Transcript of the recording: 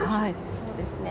そうですね。